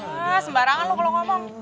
nah sembarangan lu kalau ngomong